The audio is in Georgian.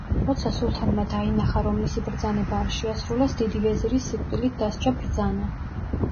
როცა სულთანმა დაინახა, რომ მისი ბრძანება არ შეასრულეს, დიდი ვეზირის სიკვდილით დასჯა ბრძანა.